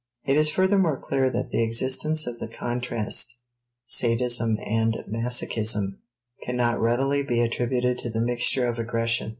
It is furthermore clear that the existence of the contrast, sadism and masochism, can not readily be attributed to the mixture of aggression.